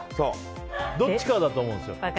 どっちかだと思うんですよ。